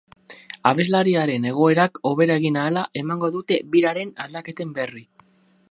Abeslariaren egoerak hobera egin ahala emango dute biraren aldaketen berri.